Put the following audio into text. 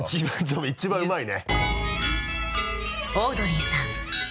１番うまいね。